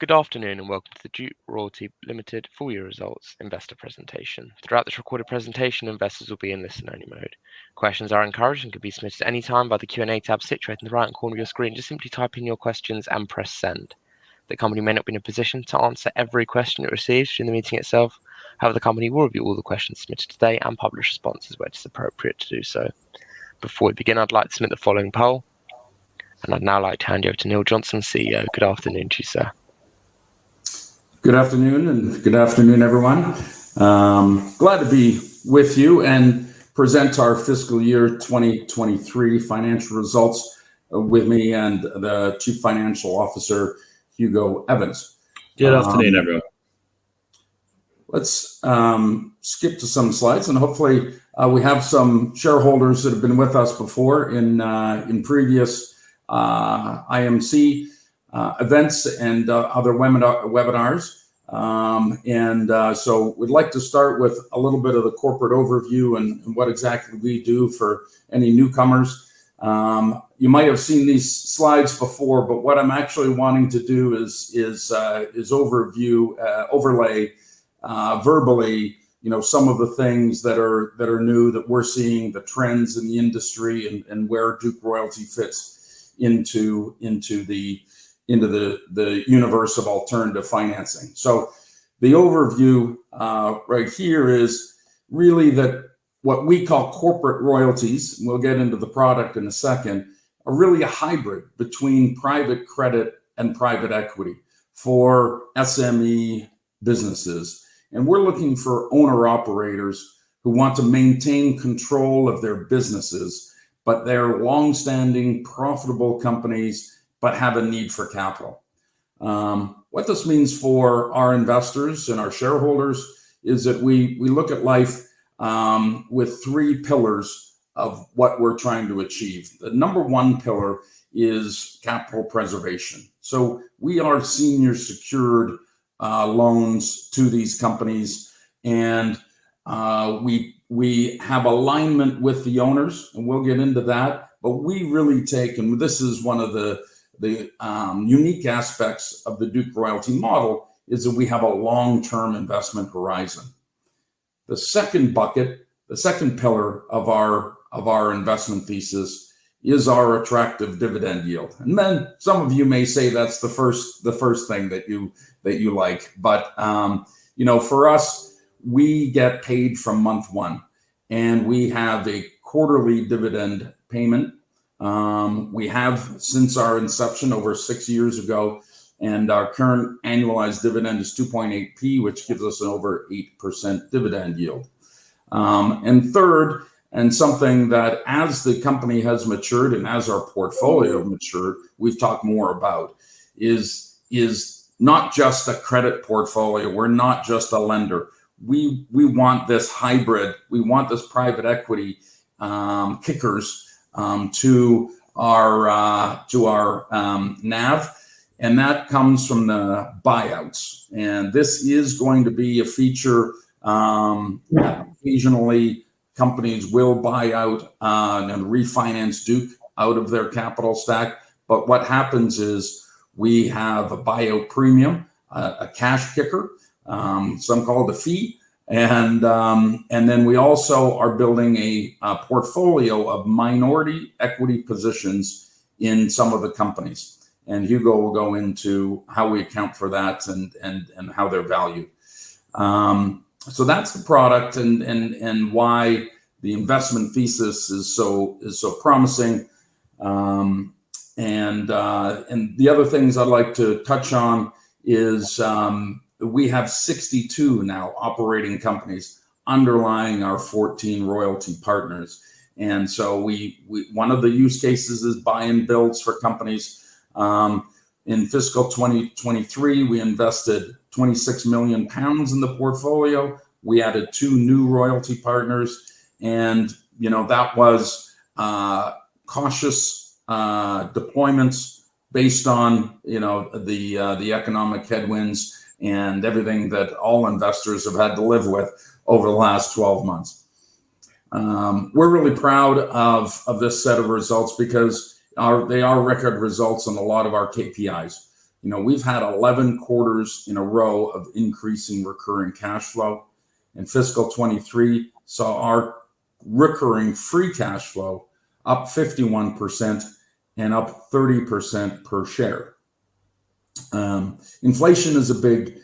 Good afternoon, and welcome to the Duke Capital Limited full-year results investor presentation. Throughout this recorded presentation, investors will be in listen-only mode. Questions are encouraged and can be submitted at any time by the Q&A tab situated in the right-hand corner of your screen. Just simply type in your questions and press send. The company may not be in a position to answer every question it receives during the meeting itself. However, the company will review all the questions submitted today and publish responses where it is appropriate to do so. Before we begin, I'd like to submit the following poll. I'd now like to hand you over to Neil Johnson, CEO. Good afternoon to you, sir. Good afternoon, and good afternoon, everyone. Glad to be with you and present our fiscal year 2023 financial results. With me is the Chief Financial Officer, Hugo Evans. Good afternoon, everyone. Let's skip to some slides. Hopefully, we have some shareholders that have been with us before in previous IMC events and other webinars. We'd like to start with a little bit of the corporate overview and what exactly we do for any newcomers. You might have seen these slides before, but what I'm actually wanting to do is overlay verbally some of the things that are new that we're seeing, the trends in the industry, and where Duke Royalty fits into the universe of alternative financing. The overview right here is really what we call corporate royalties, and we'll get into the product in a second, are really a hybrid between private credit and private equity for SME businesses. We're looking for owner-operators who want to maintain control of their businesses, but they're longstanding, profitable companies, but have a need for capital. What this means for our investors and our shareholders is that we look at life with three pillars of what we're trying to achieve. The number one pillar is capital preservation. We are senior secured loans to these companies, and we have alignment with the owners, and we'll get into that. This is one of the unique aspects of the Duke Royalty model, is that we have a long-term investment horizon. The second bucket, the second pillar of our investment thesis is our attractive dividend yield. Some of you may say that's the first thing that you like. For us, we get paid from month one, and we have a quarterly dividend payment. We have since our inception over six years ago, and our current annualized dividend is 0.028, which gives us an over 8% dividend yield. Third, and something that as the company has matured and as our portfolio matured, we've talked more about is not just a credit portfolio. We're not just a lender. We want this hybrid. We want these private equity kickers to our NAV, and that comes from the buyouts. This is going to be a feature. Occasionally, companies will buy out and refinance Duke out of their capital stack. What happens is we have a buyout premium, a cash kicker. Some call it a fee. We also are building a portfolio of minority equity positions in some of the companies, and Hugo will go into how we account for that and how they're valued. That's the product and why the investment thesis is so promising. The other things I'd like to touch on is we have 62 now operating companies underlying our 14 royalty partners. One of the use cases is buy and builds for companies. In fiscal 2023, we invested 26 million pounds in the portfolio. We added two new royalty partners, and that was cautious deployments based on the economic headwinds and everything that all investors have had to live with over the last 12 months. We're really proud of this set of results because they are record results on a lot of our KPIs. We've had 11 quarters in a row of increasing recurring cash flow. Fiscal 2023 saw our recurring free cash flow up 51% and up 30% per share. Inflation is a big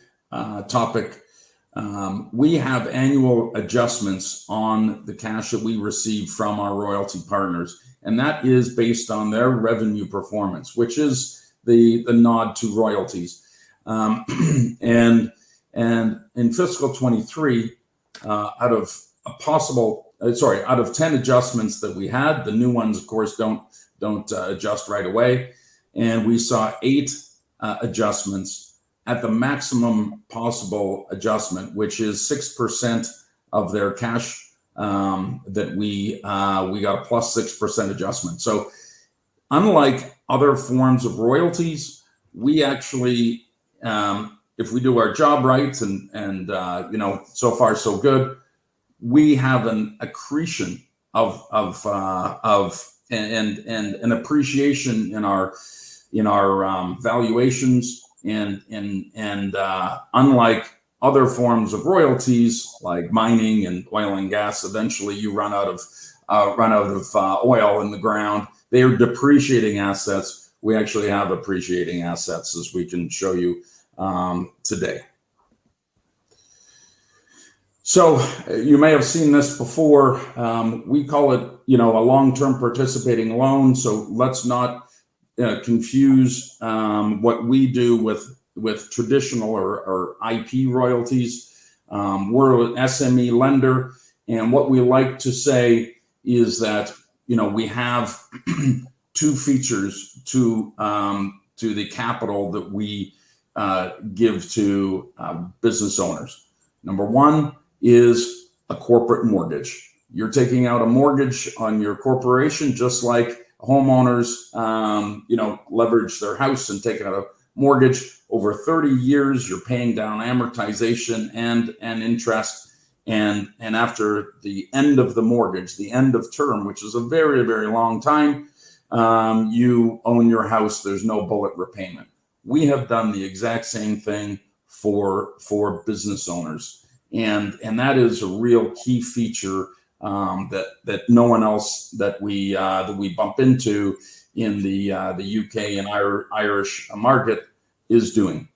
topic. We have annual adjustments on the cash that we receive from our royalty partners. That is based on their revenue performance, which is the nod to royalties. In fiscal 2023, out of 10 adjustments that we had, the new ones, of course, don't adjust right away. We saw eight adjustments at the maximum possible adjustment, which is 6% of their cash, that we got a +6% adjustment. Unlike other forms of royalties, we actually, if we do our job right, and so far so good, we have an accretion and an appreciation in our valuations. Unlike other forms of royalties, like mining and oil and gas, eventually you run out of oil in the ground. They are depreciating assets. We actually have appreciating assets, as we can show you today. You may have seen this before. We call it a long-term participating loan, so let's not confuse what we do with traditional or IP royalties. We're an SME lender, and what we like to say is that we have two features to the capital that we give to business owners. Number one is a corporate mortgage. You're taking out a mortgage on your corporation. Just like homeowners leverage their house and take out a mortgage over 30 years, you're paying down amortization and interest. After the end of the mortgage, the end of term, which is a very, very long time, you own your house. There's no bullet repayment. We have done the exact same thing for business owners, and that is a real key feature that no one else that we bump into in the U.K. and Irish market is doing.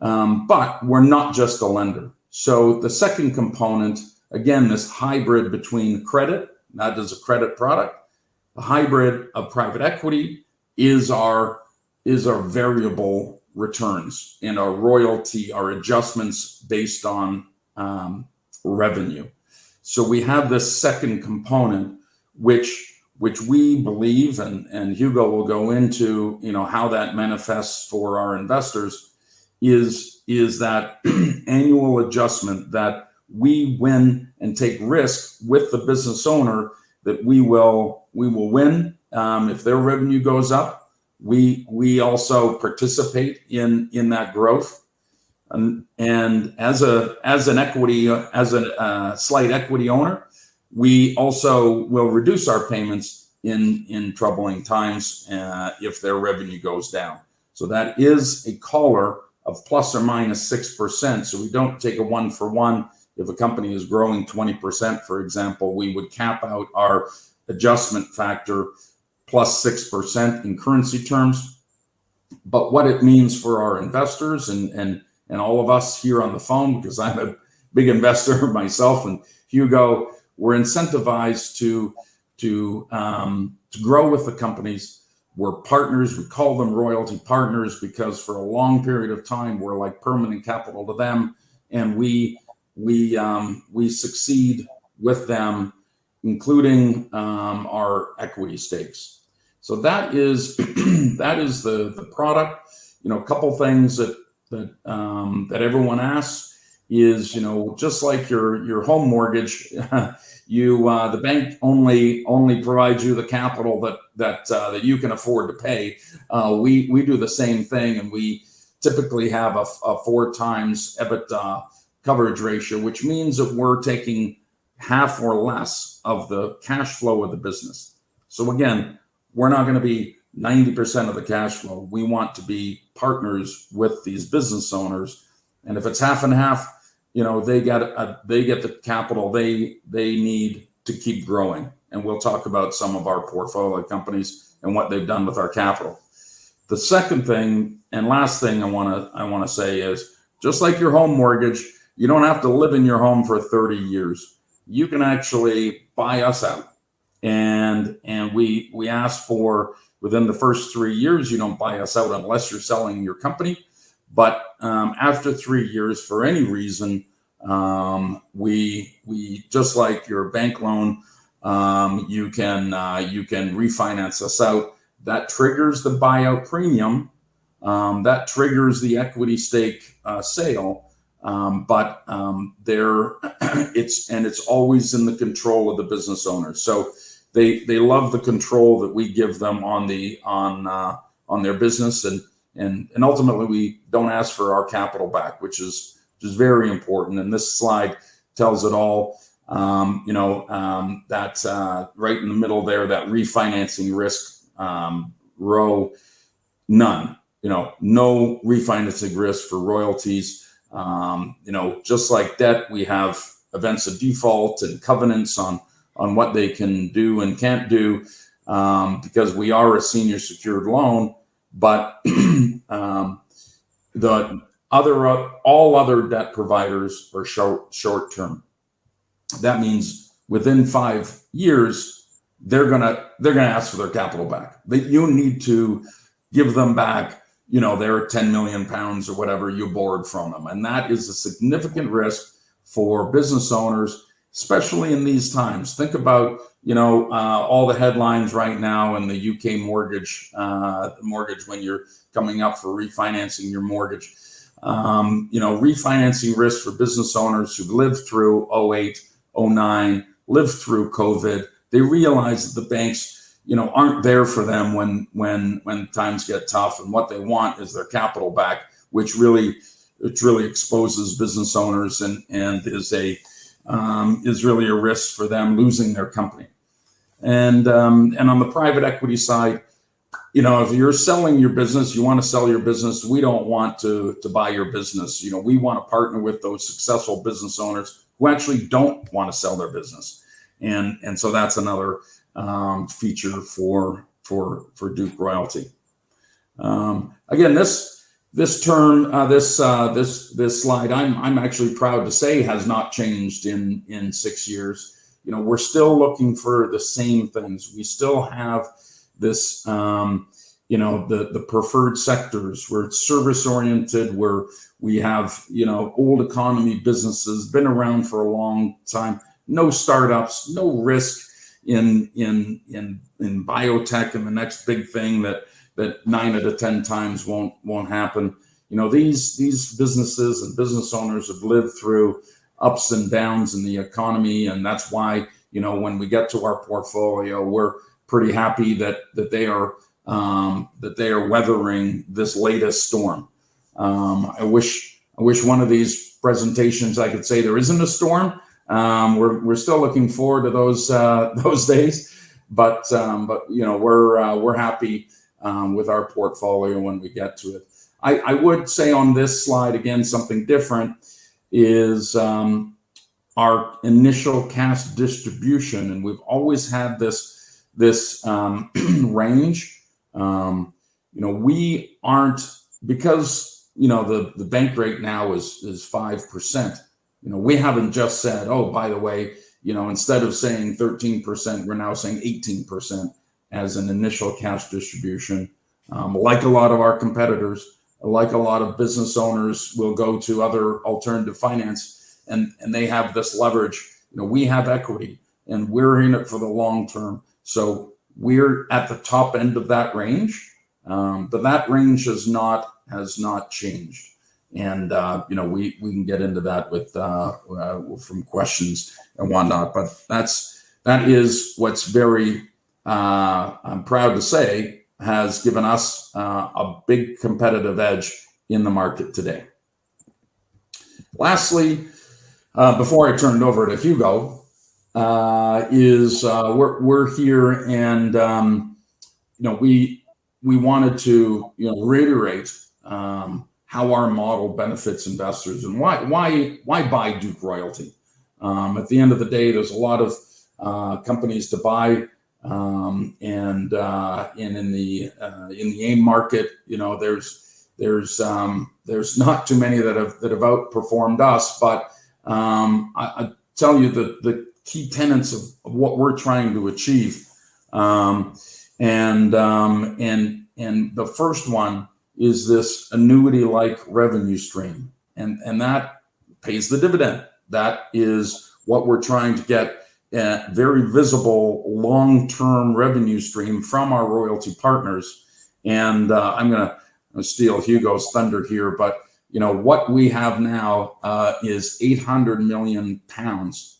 We're not just a lender. The second component, again, this hybrid between credit, not as a credit product, a hybrid of private equity, is our variable returns and our royalty, our adjustments based on revenue. We have this second component, which we believe, and Hugo will go into how that manifests for our investors, is that annual adjustment that we win and take risks with the business owner that we will win if their revenue goes up. We also participate in that growth. As a slight equity owner, we also will reduce our payments in troubling times if their revenue goes down. That is a collar of ±6%, so we don't take a one-for-one. If a company is growing 20%, for example, we would cap out our adjustment factor +6% in currency terms. What it means for our investors and all of us here on the phone, because I'm a big investor myself, and Hugo, we're incentivized to grow with the companies. We're partners. We call them royalty partners because, for a long period of time, we're like permanent capital to them, and we succeed with them, including our equity stakes. That is the product. A couple of things that everyone asks is, just like your home mortgage, the bank only provides you the capital that you can afford to pay. We do the same thing, and we typically have a 4x EBITDA coverage ratio, which means that we're taking half or less of the cash flow of the business. Again, we're not going to be 90% of the cash flow. We want to be partners with these business owners. If it's 50/50, they get the capital they need to keep growing. We'll talk about some of our portfolio companies and what they've done with our capital. The second thing, and last thing I want to say is, just like your home mortgage, you don't have to live in your home for 30 years. You can actually buy us out. We ask for within the first three years, you don't buy us out unless you're selling your company. After three years, for any reason, just like your bank loan, you can refinance us out. That triggers the buyout premium, that triggers the equity stake sale, and it's always in the control of the business owner. They love the control that we give them on their business, and ultimately, we don't ask for our capital back, which is very important. This slide tells it all. That right in the middle there, that refinancing risk row, none. No refinancing risk for royalties. Just like debt, we have events of default and covenants on what they can do and can't do, because we are a senior secured loan. All other debt providers are short-term. That means within five years, they're going to ask for their capital back. You need to give them back their 10 million pounds or whatever you borrowed from them, and that is a significant risk for business owners, especially in these times. Think about all the headlines right now in the U.K. mortgage when you're coming up for refinancing your mortgage. Refinancing risk for business owners who've lived through 2008, 2009, lived through COVID, they realize that the banks aren't there for them when times get tough, and what they want is their capital back, which really exposes business owners and is really a risk for them losing their company. On the private equity side, if you're selling your business, you want to sell your business, we don't want to buy your business. We want to partner with those successful business owners who actually don't want to sell their business. That's another feature for Duke Royalty. Again, this slide, I'm actually proud to say, has not changed in six years. We're still looking for the same things. We still have the preferred sectors where it's service-oriented, where we have old economy businesses, been around for a long time, no startups, no risk in biotech and the next big thing that nine out of 10 times won't happen. These businesses and business owners have lived through ups and downs in the economy, and that's why, when we get to our portfolio, we're pretty happy that they are weathering this latest storm. I wish one of these presentations I could say there isn't a storm. We're still looking forward to those days, but we're happy with our portfolio when we get to it. I would say on this slide, again, something different is our initial cash distribution, and we've always had this range. Because the Bank Rate now is 5%, we haven't just said, oh, by the way, instead of saying 13%, we're now saying 18% as an initial cash distribution. Like a lot of our competitors, like a lot of business owners, we'll go to other alternative finance, and they have this leverage. We have equity, and we're in it for the long term. We're at the top end of that range, but that range has not changed. We can get into that from questions and whatnot, but that is what's very, I'm proud to say, has given us a big competitive edge in the market today. Lastly, before I turn it over to Hugo, is we're here and we wanted to reiterate how our model benefits investors and why buy Duke Royalty? At the end of the day, there's a lot of companies to buy. In the AIM market, there's not too many that have outperformed us, but I tell you the key tenets of what we're trying to achieve, and the first one is this annuity-like revenue stream, and that pays the dividend. That is what we're trying to get a very visible long-term revenue stream from our royalty partners, and I'm going to steal Hugo's thunder here, but what we have now is 800 million pounds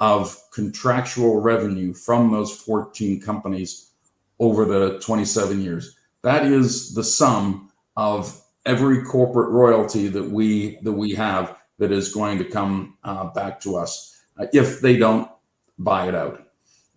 of contractual revenue from those 14 companies over the 27 years. That is the sum of every corporate royalty that we have that is going to come back to us if they don't buy it out,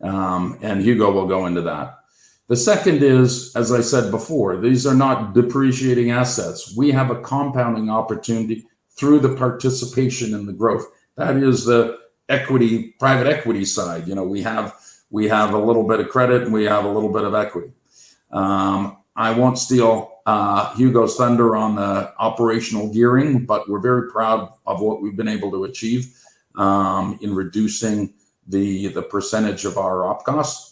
and Hugo will go into that. The second is, as I said before, these are not depreciating assets. We have a compounding opportunity through the participation in the growth. That is the private equity side. We have a little bit of credit, and we have a little bit of equity. I won't steal Hugo's thunder on the operational gearing, but we're very proud of what we've been able to achieve in reducing the percentage of our op costs.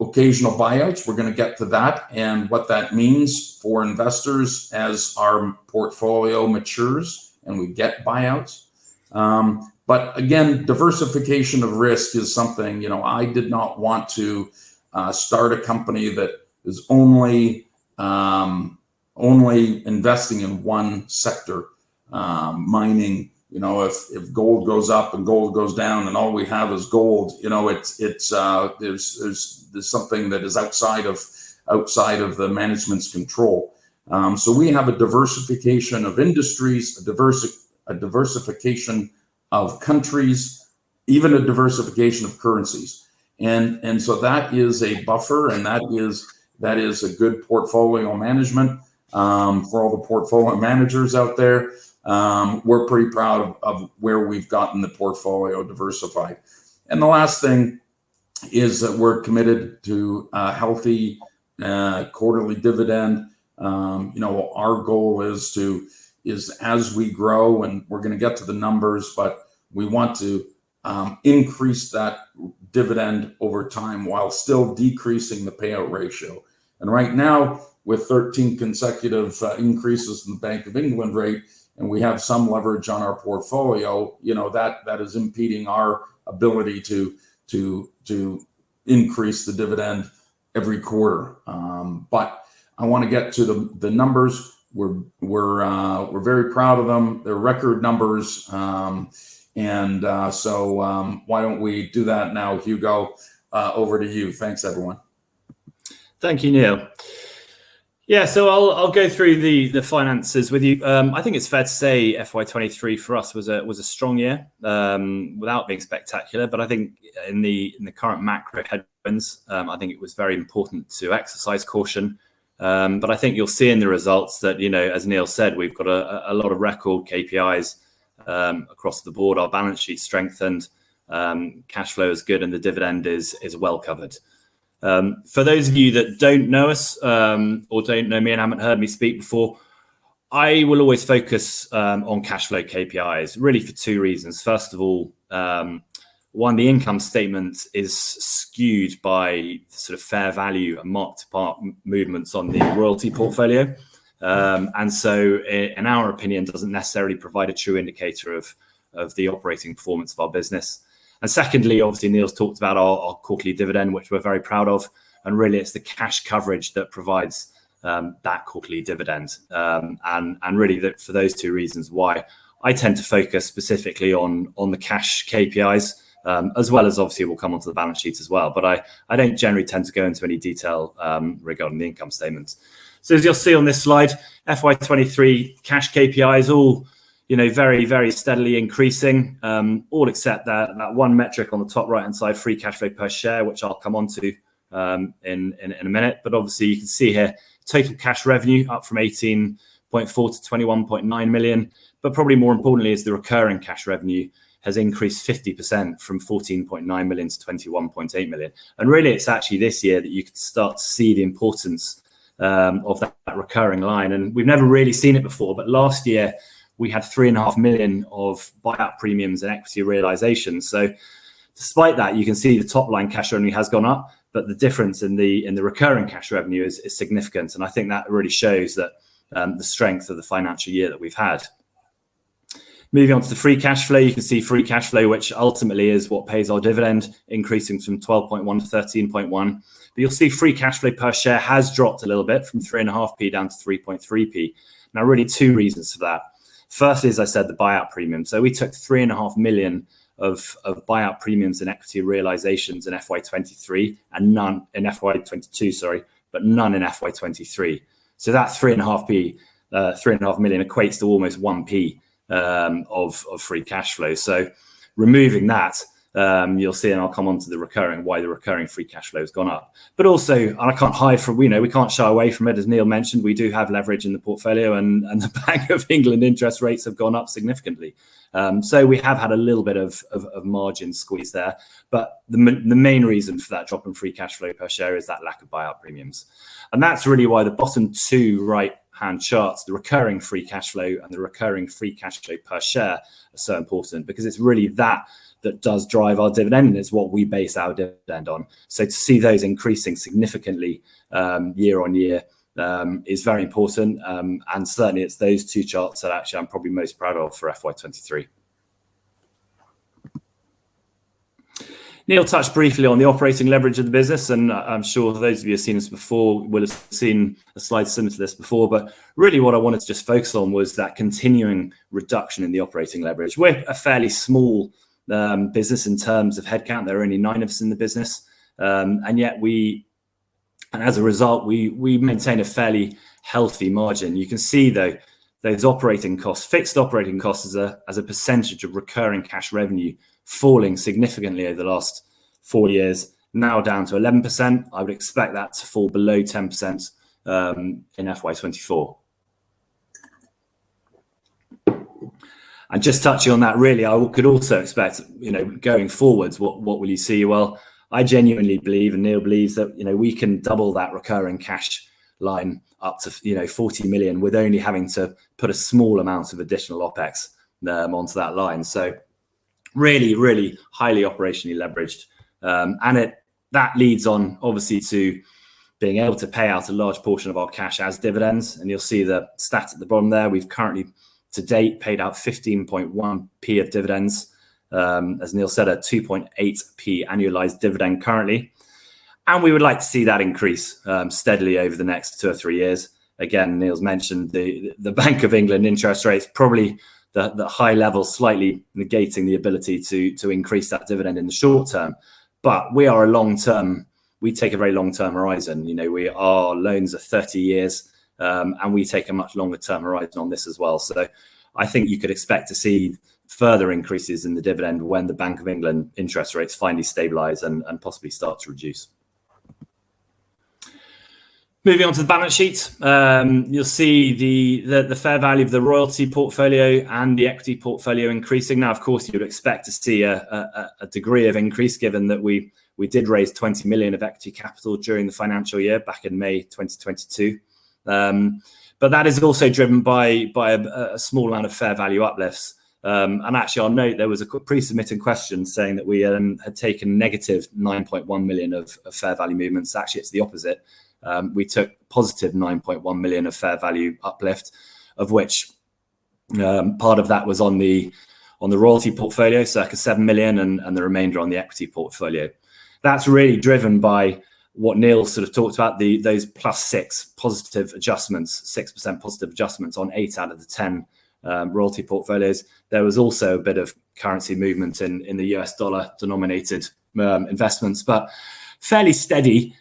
Occasional buyouts, we're going to get to that and what that means for investors as our portfolio matures, and we get buyouts. Again, diversification of risk is something I did not want to start a company that is only investing in one sector. Mining, if gold goes up and gold goes down, and all we have is gold, there's something that is outside of the Management's control. We have a diversification of industries, a diversification of countries, even a diversification of currencies. That is a buffer and that is a good portfolio management. For all the portfolio managers out there, we're pretty proud of where we've gotten the portfolio diversified. The last thing is that we're committed to a healthy quarterly dividend. Our goal is as we grow, and we're going to get to the numbers, but we want to increase that dividend over time while still decreasing the payout ratio. Right now, with 13 consecutive increases in the Bank of England rate, and we have some leverage on our portfolio, that is impeding our ability to increase the dividend every quarter. I want to get to the numbers. We're very proud of them. They're record numbers. Why don't we do that now? Hugo, over to you. Thanks, everyone. Thank you, Neil. I'll go through the finances with you. I think it's fair to say FY 2023 for us was a strong year, without being spectacular. I think in the current macro headwinds, I think it was very important to exercise caution. I think you'll see in the results that, as Neil said, we've got a lot of record KPIs across the board. Our balance sheet's strengthened, cash flow is good, and the dividend is well covered. For those of you that don't know us or don't know me and haven't heard me speak before, I will always focus on cash flow KPIs really for two reasons. First of all, one, the income statement is skewed by sort of fair value and mark-to-market movements on the royalty portfolio. In our opinion, doesn't necessarily provide a true indicator of the operating performance of our business. Secondly, obviously, Neil's talked about our quarterly dividend, which we're very proud of, and really it's the cash coverage that provides that quarterly dividend. Really for those two reasons why I tend to focus specifically on the cash KPIs, as well as obviously we'll come onto the balance sheets as well. I don't generally tend to go into any detail regarding the income statements. As you'll see on this slide, FY 2023 cash KPIs all very steadily increasing. All except that one metric on the top right-hand side, free cash flow per share, which I'll come onto in a minute. Obviously you can see here, total cash revenue up from 18.4 million-21.9 million. Probably more importantly is the recurring cash revenue has increased 50% from 14.9 million-21.8 million. Really, it's actually this year that you can start to see the importance of that recurring line, and we've never really seen it before, but last year we had 3.5 million of buyout premiums and equity realizations. Despite that, you can see the top line cash only has gone up, but the difference in the recurring cash revenue is significant. I think that really shows the strength of the financial year that we've had. Moving on to the free cash flow, you can see free cash flow, which ultimately is what pays our dividend, increasing from 12.1-13.1. You'll see free cash flow per share has dropped a little bit from 0.035 down to 0.033. Now really two reasons for that. Firstly, as I said, the buyout premium. We took three and a half million of buyout premiums in equity realizations in FY 2022, sorry, but none in FY 2023. That 3.5p, 3.5 million equates to almost 1p of free cash flow. Removing that, you'll see, and I'll come onto the recurring, why the recurring free cash flow's gone up. Also, and we can't shy away from it, as Neil mentioned, we do have leverage in the portfolio and the Bank of England interest rates have gone up significantly. We have had a little bit of margin squeeze there. The main reason for that drop in free cash flow per share is that lack of buyout premiums. That's really why the bottom two right-hand charts, the recurring free cash flow and the recurring free cash flow per share, are so important because it's really that that does drive our dividend and is what we base our dividend on. To see those increasing significantly year-on-year is very important. Certainly, it's those two charts that actually I'm probably most proud of for FY 2023. ,Neil touched briefly on the operating leverage of the business, and I'm sure those of you who've seen us before will have seen a slide similar to this before. Really what I wanted to just focus on was that continuing reduction in the operating leverage. We're a fairly small business in terms of headcount. There are only nine of us in the business. Yet as a result, we maintain a fairly healthy margin. You can see, though, those operating costs, fixed operating costs as a percentage of recurring cash revenue, falling significantly over the last four years, now down to 11%. I would expect that to fall below 10% in FY 2024. Just touching on that, really, I could also expect going forwards, what will you see? Well, I genuinely believe, and Neil believes that we can double that recurring cash line up to 40 million with only having to put a small amount of additional OpEx onto that line. Really, really highly operationally leveraged. That leads on obviously to being able to pay out a large portion of our cash as dividends. You'll see the stats at the bottom there. We've currently to date paid out 0.151 of dividends. As Neil said, a 0.028 annualized dividend currently, and we would like to see that increase steadily over the next two or three years. Again, Neil's mentioned the Bank of England interest rates, probably the high level slightly negating the ability to increase that dividend in the short term. We take a very long-term horizon. Our loans are 30 years, and we take a much longer-term horizon on this as well. I think you could expect to see further increases in the dividend when the Bank of England interest rates finally stabilize and possibly start to reduce. Moving on to the balance sheet, you'll see the fair value of the royalty portfolio and the equity portfolio increasing. Now, of course, you would expect to see a degree of increase given that we did raise 20 million of equity capital during the financial year back in May 2022. That is also driven by a small amount of fair value uplifts. Actually, I'll note there was a pre-submitted question saying that we had taken -9.1 million of fair value movements. Actually, it's the opposite. We took +9.1 million of fair value uplift, of which part of that was on the royalty portfolio, circa 7 million, and the remainder on the equity portfolio. That's really driven by what Neil sort of talked about, those +6 positive adjustments, 6% positive adjustments on eight out of the 10 royalty portfolios. There was also a bit of currency movement in the U.S. dollar-denominated investments. Fairly steady.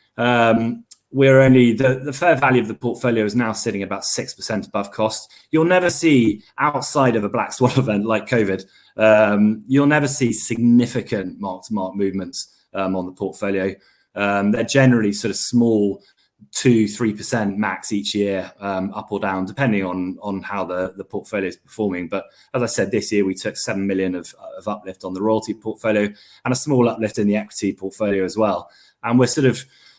The fair value of the portfolio is now sitting about 6% above cost. You'll never see outside of a black swan event like COVID. You'll never see significant mark-to-market movements on the portfolio. They're generally small, 2%-3% max each year up or down, depending on how the portfolio is performing. As I said, this year we took 7 million of uplift on the royalty portfolio and a small uplift in the equity portfolio as well. We're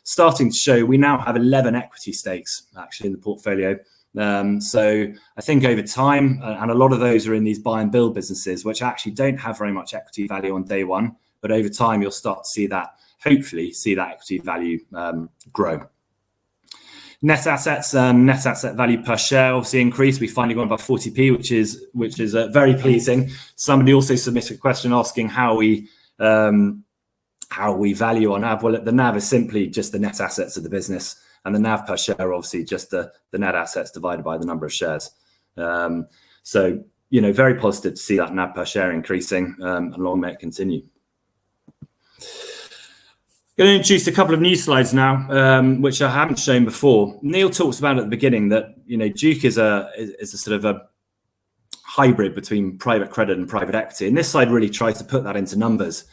starting to show we now have 11 equity stakes actually in the portfolio. I think over time, and a lot of those are in these buy-and-build businesses, which actually don't have very much equity value on day one. Over time, you'll start to hopefully see that equity value grow. Net asset value per share obviously increased. We've finally gone above 0.40, which is very pleasing. Somebody also submitted a question asking how we value our NAV. Well, look, the NAV is simply just the net assets of the business, and the NAV per share, obviously just the net assets divided by the number of shares. Very positive to see that NAV per share increasing, and long may it continue. Going to introduce a couple of new slides now, which I haven't shown before. Neil talked about at the beginning that Duke is a sort of a hybrid between private credit and private equity, and this slide really tries to put that into numbers.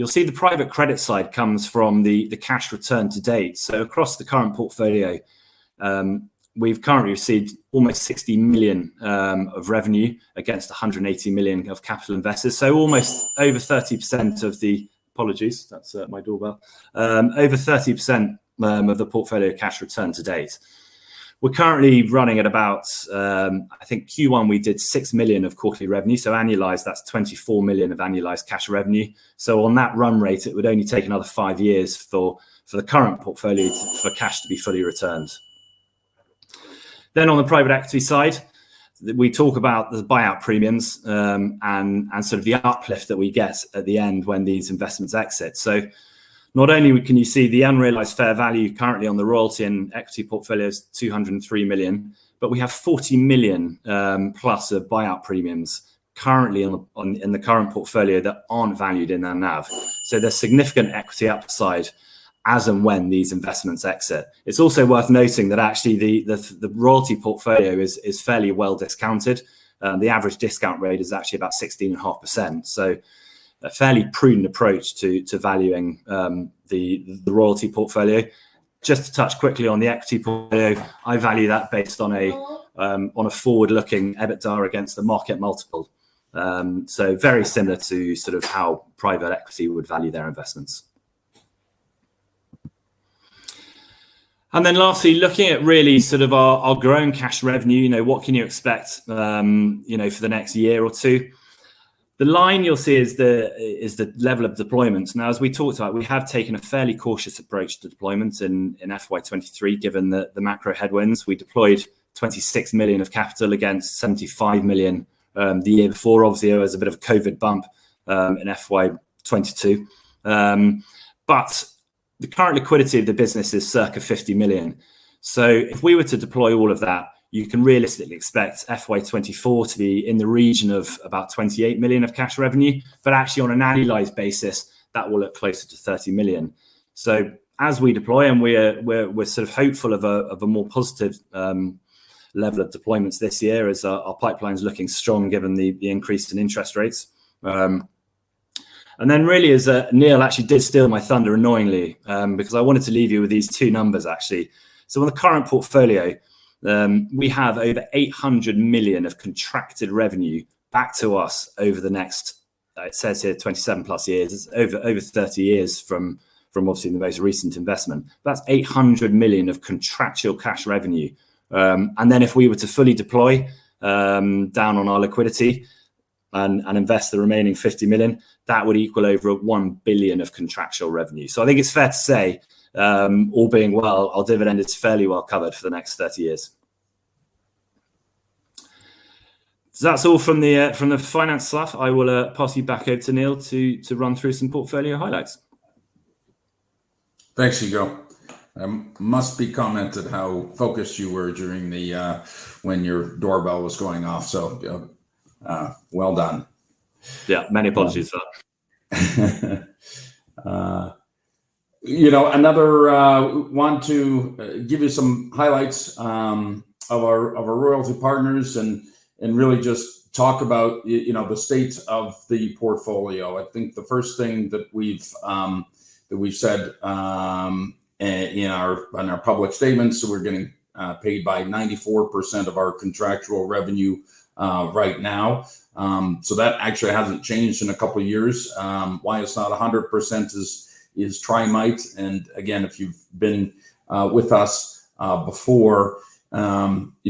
You'll see the private credit side comes from the cash return to date. Across the current portfolio, we've currently received almost 60 million of revenue against 180 million of capital invested. Apologies. That's my doorbell. Over 30% of the portfolio cash return to date. We're currently running at about, I think Q1 we did 6 million of quarterly revenue. Annualized, that's 24 million of annualized cash revenue. On that run rate, it would only take another five years for the current portfolio for cash to be fully returned. On the private equity side, we talk about the buyout premiums, and sort of the uplift that we get at the end when these investments exit. Not only can you see the unrealized fair value currently on the royalty and equity portfolio is 203 million, but we have 40 million+ of buyout premiums currently in the current portfolio that aren't valued in our NAV. There's significant equity upside as and when these investments exit. It's also worth noting that actually the royalty portfolio is fairly well discounted. The average discount rate is actually about 16.5%. A fairly prudent approach to valuing the royalty portfolio. Just to touch quickly on the equity portfolio, I value that based on a forward-looking EBITDA against the market multiple. Very similar to how private equity would value their investments. Lastly, looking at really sort of our growing cash revenue. What can you expect for the next year or two? The line you'll see is the level of deployments. Now, as we talked about, we have taken a fairly cautious approach to deployments in FY 2023, given the macro headwinds. We deployed 26 million of capital against 75 million the year before. Obviously, there was a bit of a COVID bump in FY 2022. The current liquidity of the business is circa 50 million. If we were to deploy all of that, you can realistically expect FY 2024 to be in the region of about 28 million of cash revenue. Actually, on an annualized basis, that will look closer to 30 million. As we deploy, and we're sort of hopeful of a more positive level of deployments this year as our pipeline's looking strong given the increase in interest rates. Really, Neil actually did steal my thunder annoyingly, because I wanted to leave you with these two numbers, actually. On the current portfolio, we have over 800 million of contracted revenue back to us over the next, it says here, 27+ years. It's over 30 years from obviously the most recent investment. That's 800 million of contractual cash revenue. If we were to fully deploy down on our liquidity and invest the remaining 50 million, that would equal over 1 billion of contractual revenue. I think it's fair to say, all being well, our dividend is fairly well covered for the next 30 years. That's all from the finance stuff. I will pass you back over to Neil to run through some portfolio highlights. Thanks, Hugo. It must be commented how focused you were when your doorbell was going off. Well done. Yeah. Many apologies for that. I want to give you some highlights of our royalty partners and really just talk about the state of the portfolio. I think the first thing that we've said in our public statements, we're getting paid by 94% of our contractual revenue right now. That actually hasn't changed in a couple of years. Why it's not 100% is Trimite, and again, if you've been with us before, during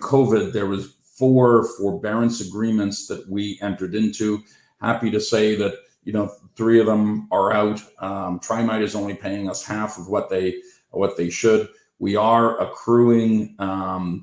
COVID, there was four forbearance agreements that we entered into. I am happy to say that three of them are out. Trimite is only paying us half of what they should. We are accruing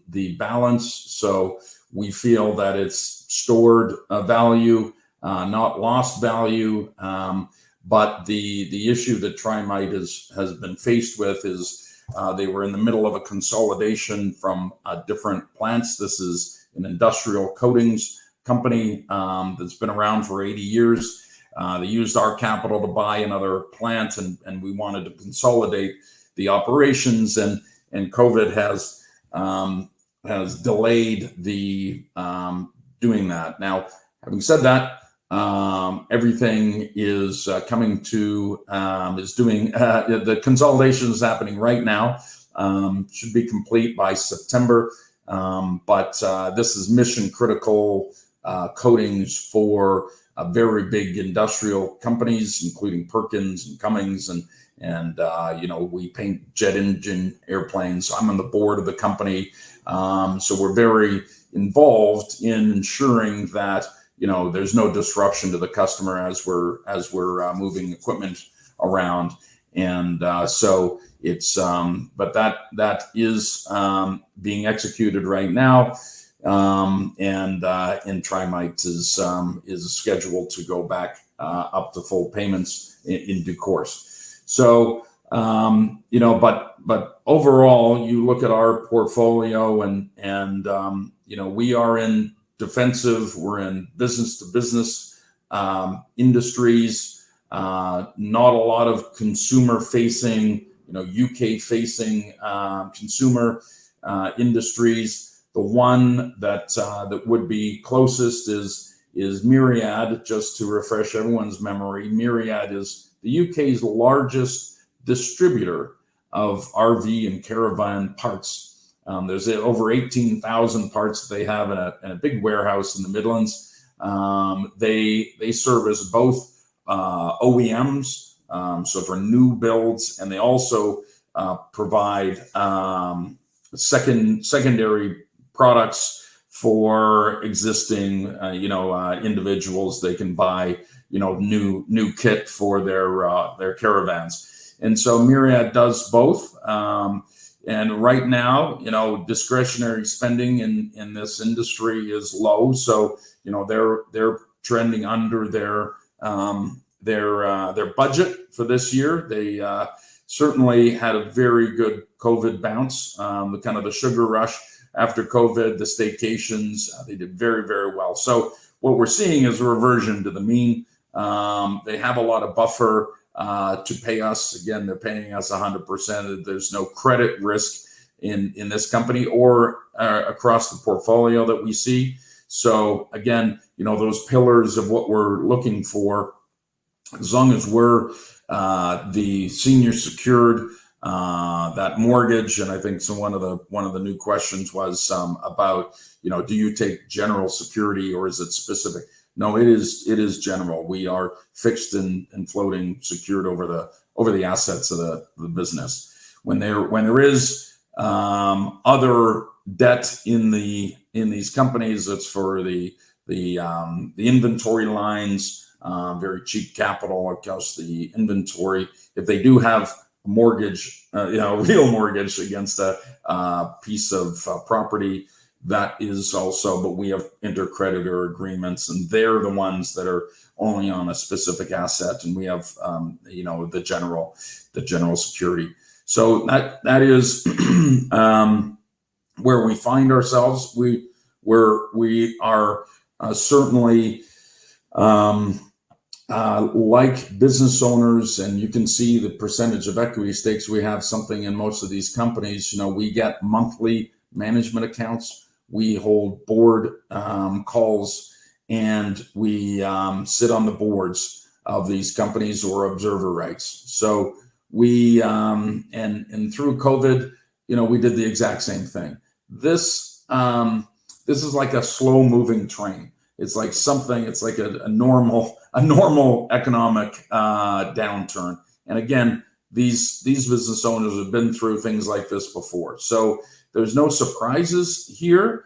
the balance, so we feel that it's stored value, not lost value. The issue that Trimite has been faced with is they were in the middle of a consolidation from different plants. This is an industrial coatings company that's been around for 80 years. They used our capital to buy another plant, and we wanted to consolidate the operations, and COVID has delayed doing that. Now, having said that, the consolidation is happening right now. It should be complete by September. This is mission-critical coatings for very big industrial companies, including Perkins and Cummins, and we paint jet engine airplanes. I'm on the board of the company, so we're very involved in ensuring that there's no disruption to the customer as we're moving equipment around. That is being executed right now, and Trimite is scheduled to go back up to full payments in due course. Overall, you look at our portfolio and we are in defensive, we're in business-to-business industries, not a lot of consumer-facing, U.K.-facing consumer industries. The one that would be closest is Miriad. Just to refresh everyone's memory, Miriad is the U.K.'s largest distributor of RV and caravan parts. There's over 18,000 parts they have in a big warehouse in the Midlands. They service both OEMs, so for new builds, and they also provide secondary products for existing individuals. They can buy new kit for their caravans. Miriad does both. Right now, discretionary spending in this industry is low, so they're trending under their budget for this year. They certainly had a very good COVID bounce, the kind of the sugar rush after COVID, the staycations. They did very well. What we're seeing is a reversion to the mean. They have a lot of buffer to pay us. Again, they're paying us 100%. There's no credit risk in this company or across the portfolio that we see. Again, those pillars of what we're looking for, as long as we're the senior secured, that mortgage. I think one of the new questions was about do you take general security or is it specific? No, it is general. We are fixed and floating, secured over the assets of the business. When there is other debt in these companies, that's for the inventory lines. Very cheap capital against the inventory. If they do have a mortgage, a real mortgage against a piece of property, we have intercreditor agreements, and they're the ones that are only on a specific asset, and we have the general security. That is where we find ourselves. We are certainly like business owners, and you can see the percentage of equity stakes. We have something in most of these companies. We get monthly management accounts. We hold board calls, and we sit on the boards of these companies or observer rights. Through COVID, we did the exact same thing. This is like a slow-moving train. It's like a normal economic downturn. Again, these business owners have been through things like this before, so there's no surprises here.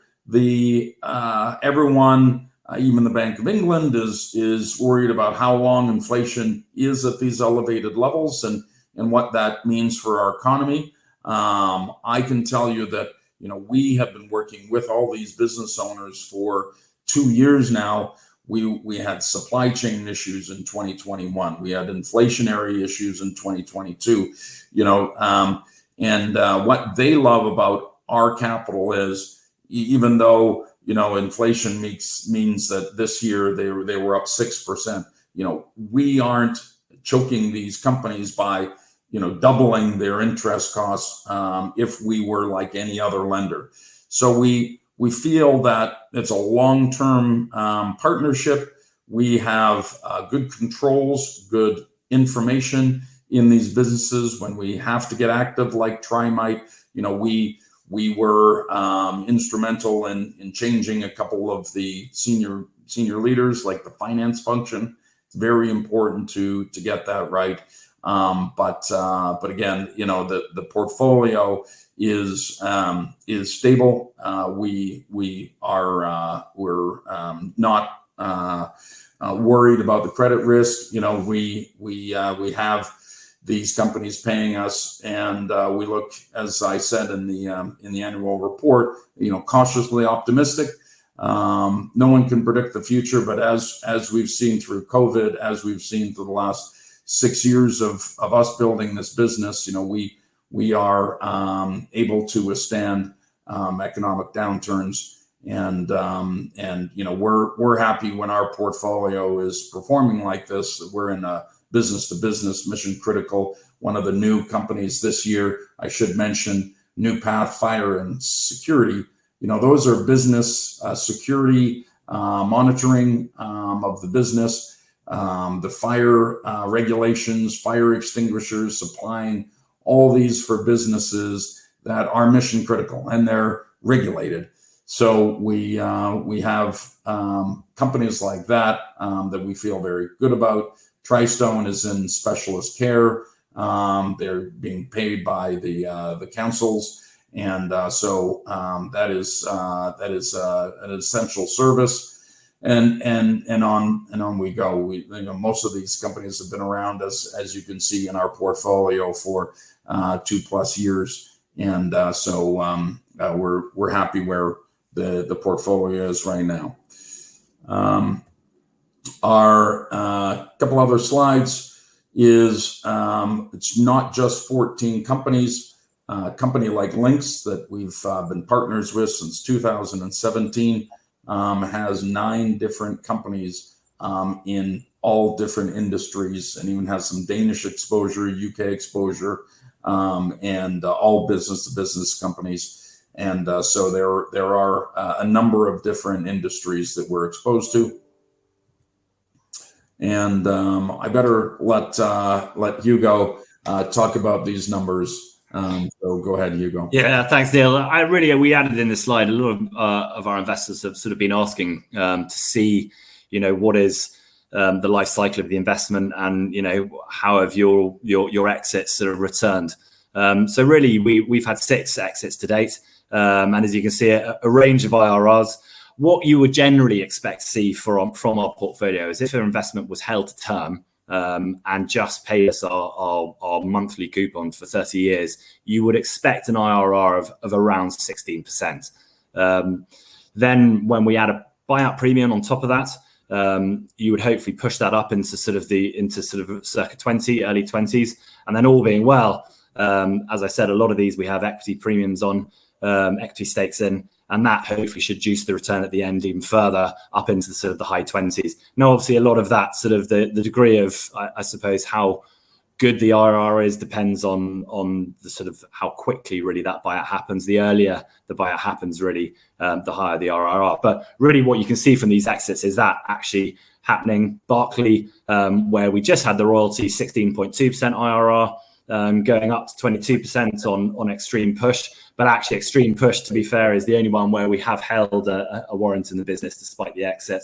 Everyone, even the Bank of England, is worried about how long inflation is at these elevated levels and what that means for our economy. I can tell you that we have been working with all these business owners for two years now. We had supply chain issues in 2021. We had inflationary issues in 2022. What they love about our capital is even though inflation means that this year they were up 6%, we aren't choking these companies by doubling their interest costs if we were like any other lender. We feel that it's a long-term partnership. We have good controls, good information in these businesses. When we have to get active, like Trimite, we were instrumental in changing a couple of the senior leaders, like the finance function. It's very important to get that right. Again, the portfolio is stable. We're not worried about the credit risk. We have these companies paying us, and we look, as I said in the Annual Report, cautiously optimistic. No one can predict the future, but as we've seen through COVID, as we've seen through the last six years of us building this business, we are able to withstand economic downturns. We're happy when our portfolio is performing like this. We're in a business-to-business mission-critical. One of the new companies this year, I should mention, New Path Fire and Security. Those are business security, monitoring of the business, the fire regulations, fire extinguishers, supplying all these for businesses that are mission-critical, and they're regulated. We have companies like that that we feel very good about. Tristone is in specialist care. They're being paid by the councils. That is an essential service, and on we go. Most of these companies have been around us, as you can see in our portfolio, for 2+ years. We're happy where the portfolio is right now. Our couple other slides is it's not just 14 companies. A company like Lynx, that we've been partners with since 2017, has nine different companies in all different industries and even has some Danish exposure, U.K. exposure, and all business-to-business companies. There are a number of different industries that we're exposed to. I better let Hugo talk about these numbers. Go ahead, Hugo. Yeah, thanks, Neil. We added in this slide. A lot of our investors have sort of been asking to see what is the life cycle of the investment and how have your exits sort of returned. Really, we've had six exits to date. As you can see, a range of IRRs. What you would generally expect to see from our portfolio is if an investment was held to term and just paid us our monthly coupon for 30 years, you would expect an IRR of around 16%. When we add a buyout premium on top of that, you would hopefully push that up into sort of circa 20%, early 20%s. All being well, as I said, a lot of these we have equity premiums on, equity stakes in, and that hopefully should juice the return at the end even further up into the high 20s. Now, obviously, a lot of the degree of, I suppose, how good the IRR is depends on how quickly really that buyout happens. The earlier the buyout happens, really, the higher the IRR. Really, what you can see from these exits is that actually happening. Berkeley, where we just had the royalty, 16.2% IRR, going up to 22% on Xtremepush. Actually, Xtremepush, to be fair, is the only one where we have held a warrant in the business despite the exit.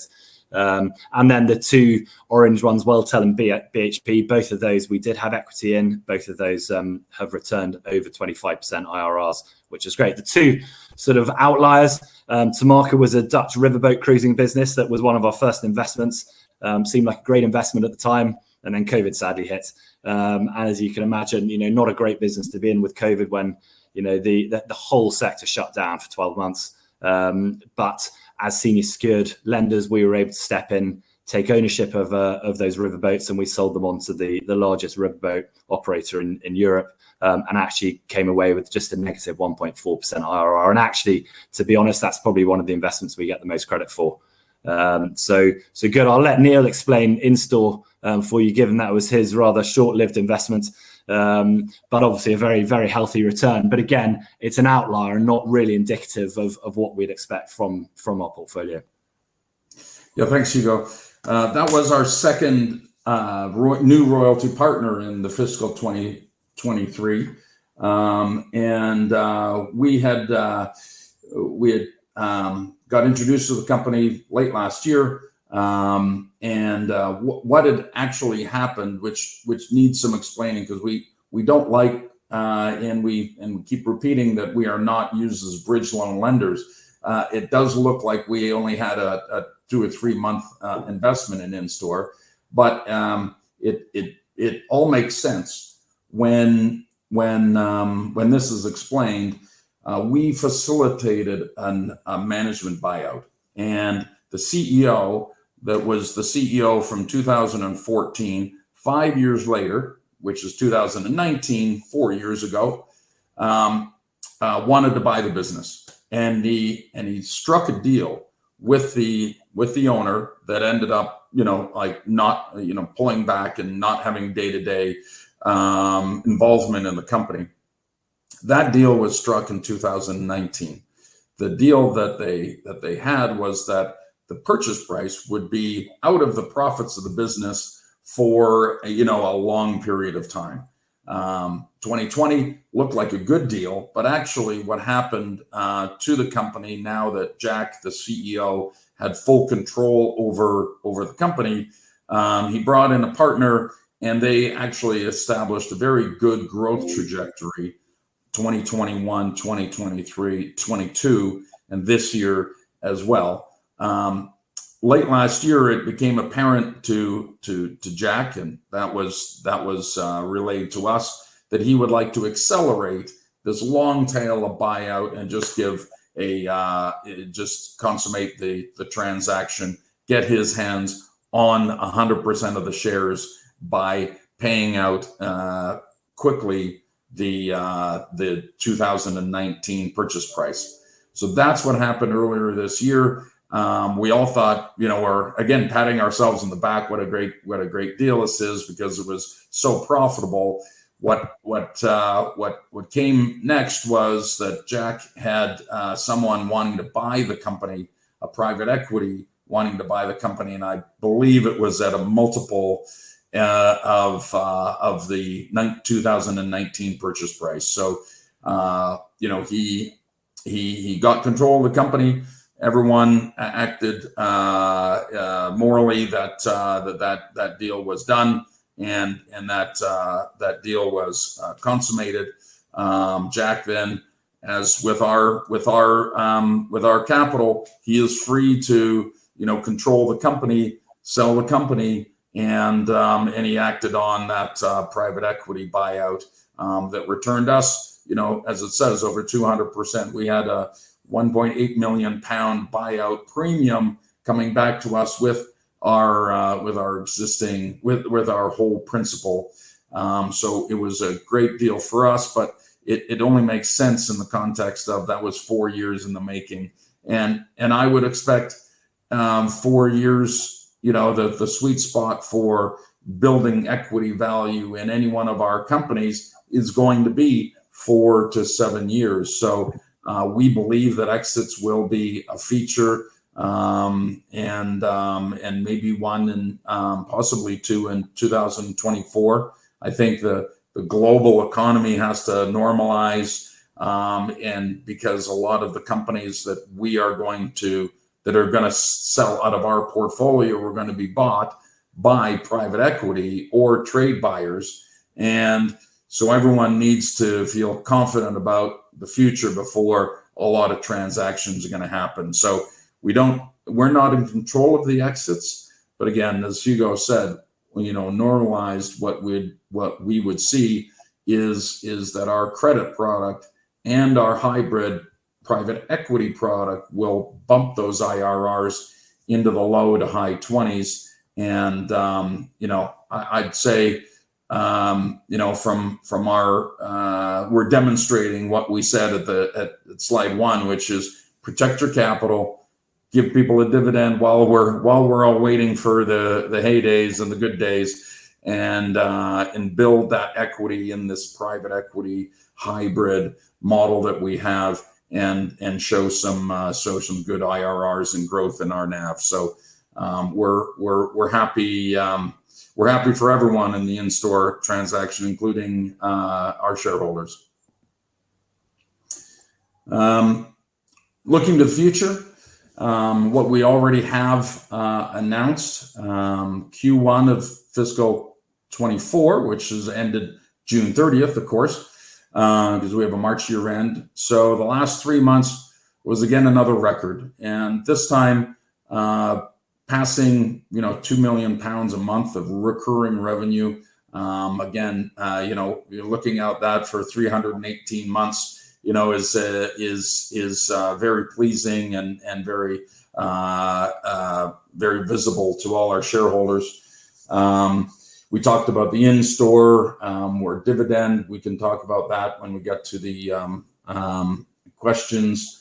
Then the two orange ones, Welltel and BHP, both of those we did have equity in. Both of those have returned over 25% IRRs, which is great. There are the two sort of outliers. Temarca was a Dutch riverboat cruising business that was one of our first investments. It seemed like a great investment at the time, and then COVID sadly hit. As you can imagine, it was not a great business to be in with COVID when the whole sector shut down for 12 months. As senior secured lenders, we were able to step in, take ownership of those riverboats, and we sold them on to the largest riverboat operator in Europe. We actually came away with just a -1.4% IRR. Actually, to be honest, that's probably one of the investments we get the most credit for. Good. I'll let Neil explain Instor for you, given that was his rather short-lived investment. It was obviously a very, very healthy return, but again, it's an outlier and not really indicative of what we'd expect from our portfolio. Yeah. Thanks, Hugo. That was our second new royalty partner in the fiscal 2023. We had got introduced to the company late last year. What had actually happened, which needs some explaining because we don't like, and we keep repeating that we are not used as bridge loan lenders, it does look like we only had a two or three-month investment in Instor. It all makes sense when this is explained. We facilitated a management buyout, and the CEO that was the CEO from 2014, five years later, which was 2019, four years ago, wanted to buy the business. He struck a deal with the owner that ended up pulling back and not having day-to-day involvement in the company. That deal was struck in 2019. The deal that they had was that the purchase price would be out of the profits of the business for a long period of time. 2020 looked like a good deal, but actually, what happened to the company now that Jack, the CEO, had full control over the company, he brought in a partner, and they actually established a very good growth trajectory, 2021, 2023, 2022, and this year as well. Late last year, it became apparent to Jack, and that was relayed to us, that he would like to accelerate this long tail of buyout and just consummate the transaction, get his hands on 100% of the shares by paying out quickly the 2019 purchase price. That's what happened earlier this year. We're, again, patting ourselves on the back, what a great deal this is because it was so profitable. What came next was that Jack had someone wanting to buy the company, a private equity wanting to buy the company, and I believe it was at a multiple of the 2019 purchase price. He got control of the company. Everyone acted morally. That deal was done and that deal was consummated. Jack then, with our capital, he is free to control the company, sell the company, and he acted on that private equity buyout that returned us, as it says, over 200%. We had a 1.8 million pound buyout premium coming back to us with our whole principal. It was a great deal for us, but it only makes sense in the context of that was four years in the making. I would expect four years, the sweet spot for building equity value in any one of our companies is going to be four to seven years. We believe that exits will be a feature, and maybe one and possibly two in 2024. I think the global economy has to normalize, and because a lot of the companies that are going to sell out of our portfolio are going to be bought by private equity or trade buyers, everyone needs to feel confident about the future before a lot of transactions are going to happen. We're not in control of the exits, but again, as Hugo said, normalized, what we would see is that our credit product and our hybrid private equity product will bump those IRRs into the low to high 20s. I'd say, we're demonstrating what we said at slide 1, which is protect your capital, give people a dividend while we're all waiting for the heydays and the good days, and build that equity in this private equity hybrid model that we have and show some good IRRs and growth in our NAV. We're happy for everyone in the Instor transaction, including our shareholders. Looking to the future, what we already have announced, Q1 of fiscal 2024, which has ended June 30th, of course, because we have a March year-end. The last three months was again another record, and this time passing 2 million pounds a month of recurring revenue. Again, looking out that for 318 months is very pleasing and very visible to all our shareholders. We talked about the Instor, more dividend. We can talk about that when we get to the questions.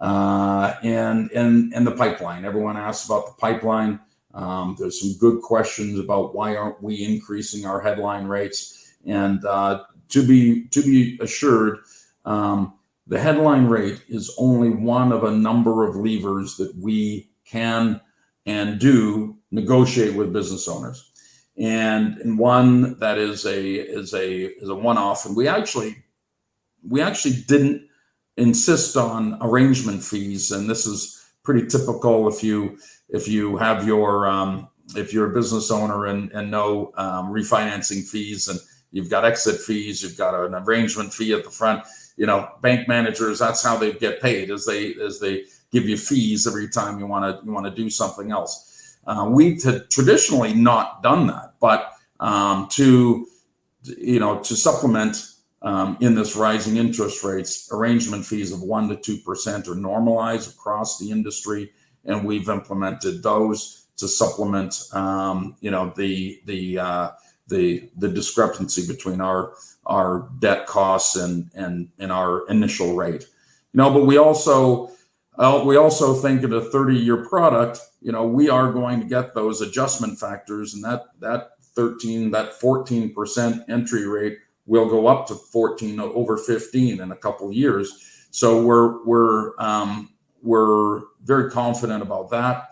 The pipeline, everyone asks about the pipeline. There are some good questions about why aren't we increasing our headline rates. To be assured, the headline rate is only one of a number of levers that we can and do negotiate with business owners. One that is a one-off, and we actually didn't insist on arrangement fees, and this is pretty typical if you're a business owner and know refinancing fees, and you've got exit fees, you've got an arrangement fee at the front. Bank managers, that's how they get paid, is they give you fees every time you want to do something else. We'd traditionally not done that. To supplement in this rising interest rates, arrangement fees of 1%-2% are normalized across the industry, and we've implemented those to supplement the discrepancy between our debt costs and our initial rate. We also think of a 30-year product. We are going to get those adjustment factors, and that 14% entry rate will go up to 14% or over 15% in a couple of years. We're very confident about that.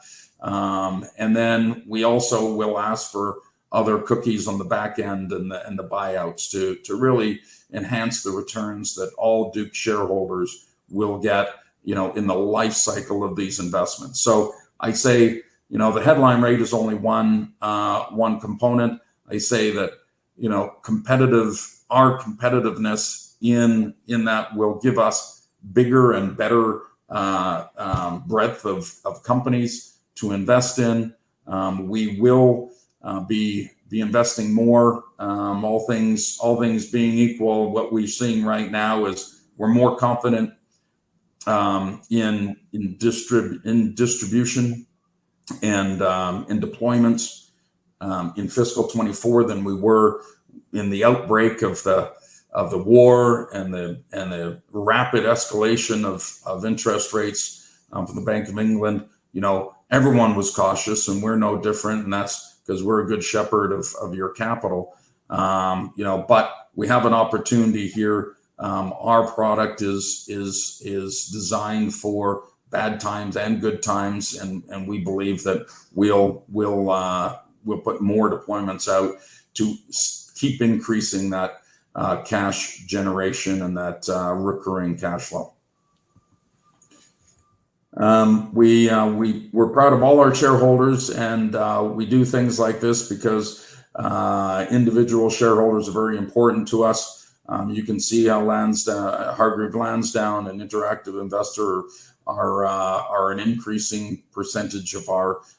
We also will ask for other cookies on the back end and the buyouts to really enhance the returns that all Duke shareholders will get in the life cycle of these investments. I say the headline rate is only one component. I say that our competitiveness in that will give us bigger and better breadth of companies to invest in. We will be investing more. All things being equal, what we're seeing right now is we're more confident in distribution and in deployments in fiscal 2024 than we were in the outbreak of the war and the rapid escalation of interest rates from the Bank of England. Everyone was cautious, and we're no different, and that's because we're a good shepherd of your capital. We have an opportunity here. Our product is designed for bad times and good times, and we believe that we'll put more deployments out to keep increasing that cash generation and that recurring cash flow. We're proud of all our shareholders, and we do things like this because individual shareholders are very important to us. You can see how Hargreaves Lansdown and Interactive Investor are an increasing percentage of our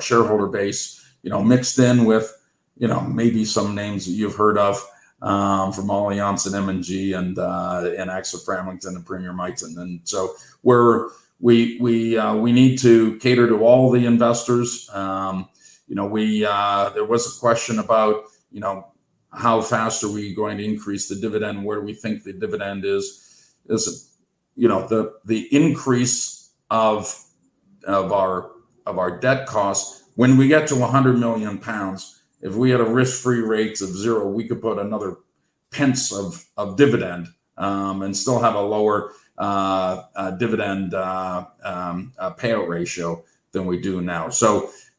shareholder base, mixed in with maybe some names that you've heard of from Allianz, and M&G, and AXA Framlington, and Premier Miton. We need to cater to all the investors. There was a question about how fast are we going to increase the dividend, where we think the dividend is. The increase of our debt cost, when we get to 100 million pounds, if we had a risk-free rate of zero, we could put another pence of dividend and still have a lower dividend payout ratio than we do now.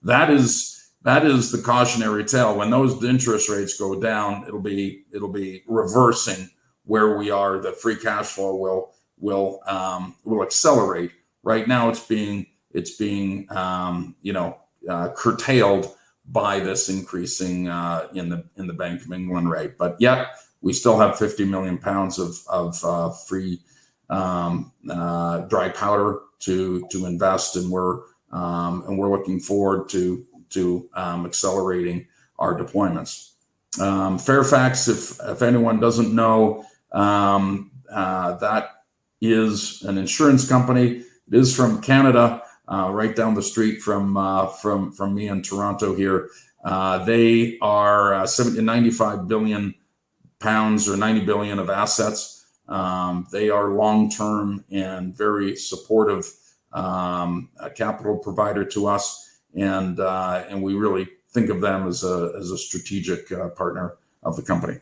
That is the cautionary tale. When those interest rates go down, it'll be reversing where we are. The free cash flow will accelerate. Right now it's being curtailed by this increasing in the Bank of England rate. We still have 50 million pounds of free dry powder to invest, and we're looking forward to accelerating our deployments. Fairfax, if anyone doesn't know, that is an insurance company. It is from Canada, right down the street from me in Toronto here. They are 95 billion pounds, or 90 billion of assets. They are a long-term and very supportive capital provider to us, and we really think of them as a strategic partner of the company.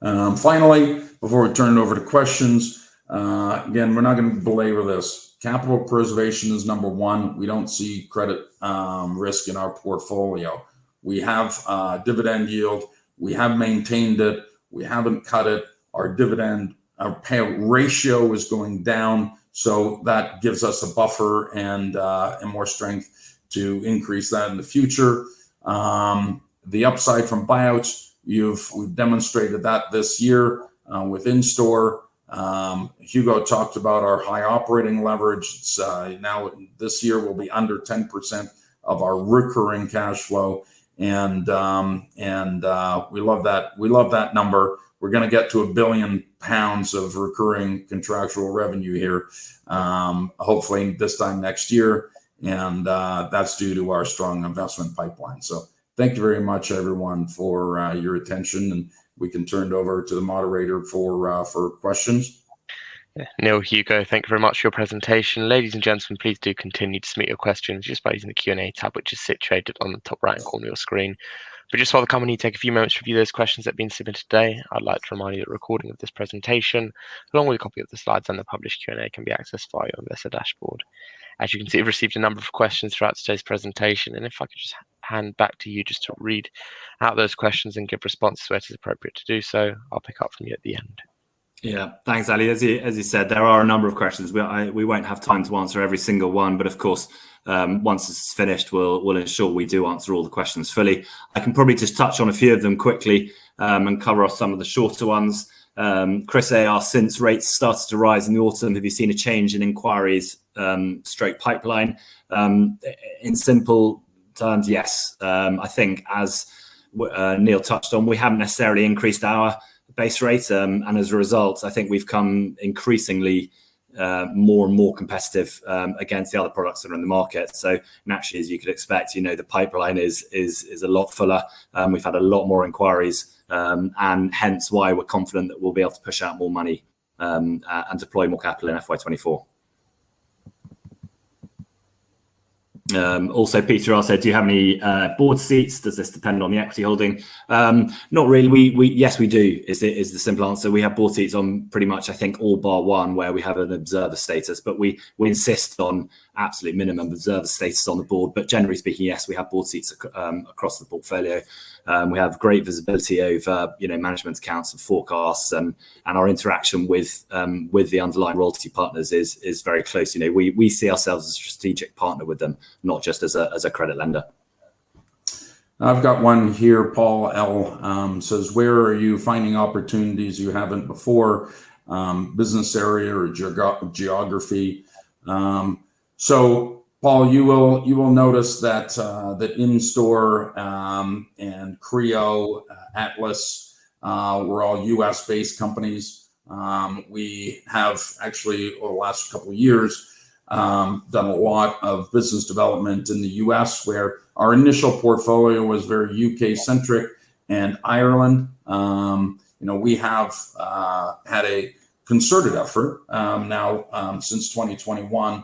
Finally, before we turn it over to questions, again, we're not going to belabor this. Capital preservation is number one. We don't see credit risk in our portfolio. We have a dividend yield. We have maintained it. We haven't cut it. Our payout ratio is going down, so that gives us a buffer and more strength to increase that in the future. The upside from buyouts, we've demonstrated that this year with Instor. Hugo talked about our high operating leverage. Now this year, we'll be under 10% of our recurring cash flow, and we love that number. We're going to get to 1 billion pounds of recurring contractual revenue here, hopefully this time next year, and that's due to our strong investment pipeline. Thank you very much everyone for your attention, and we can turn it over to the moderator for questions. Neil, Hugo, thank you very much for your presentation. Ladies and gentlemen, please do continue to submit your questions just by using the Q&A tab, which is situated on the top right corner of your screen. Just while the company take a few moments to review those questions that have been submitted today, I'd like to remind you that a recording of this presentation, along with a copy of the slides and the published Q&A, can be accessed via your Investor Dashboard. As you can see, we've received a number of questions throughout today's presentation, and if I could just hand back to you just to read out those questions and give responses to where it is appropriate to do so, I'll pick up from you at the end. Yeah. Thanks, Ali. As you said, there are a number of questions. We won't have time to answer every single one, but of course, once this is finished, we'll ensure we do answer all the questions fully. I can probably just touch on a few of them quickly and cover off some of the shorter ones. Chris A., since rates started to rise in the autumn, have you seen a change in inquiries straight pipeline? In simple terms, yes. I think, as Neil touched on, we haven't necessarily increased our base rate, and as a result, I think we've come increasingly more and more competitive against the other products that are in the market. Naturally, as you could expect, the pipeline is a lot fuller. We've had a lot more inquiries, and hence why we're confident that we'll be able to push out more money and deploy more capital in FY 2024. Also, Peter asked, "Do you have any board seats? Does this depend on the equity holding?" Not really. Yes, we do, is the simple answer. We have board seats on pretty much I think all bar one, where we have an observer status, but we insist on absolute minimum observer status on the board. Generally speaking, yes, we have board seats across the portfolio. We have great visibility over management's accounts and forecasts, and our interaction with the underlying royalty partners is very close. We see ourselves as a strategic partner with them, not just as a credit lender. I've got one here. Paul L. says, "Where are you finding opportunities you haven't before, business area or geography?" Paul, you will notice that Instor and Creō-Tech, Atlas, we're all U.S.-based companies. We have actually, over the last couple of years, done a lot of business development in the U.S. where our initial portfolio was very U.K.-centric and Ireland. We have had a concerted effort now, since 2021,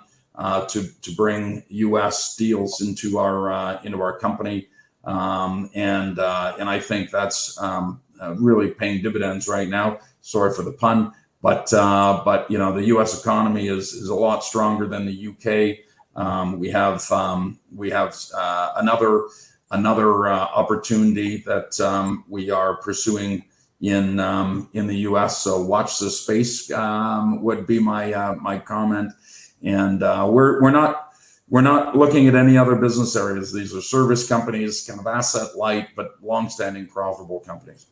to bring U.S. deals into our company. I think that's really paying dividends right now. Sorry for the pun, but the U.S. economy is a lot stronger than the U.K. We have another opportunity that we are pursuing in the U.S., so watch this space, would be my comment. We're not looking at any other business areas. These are service companies, kind of asset light, but longstanding profitable companies.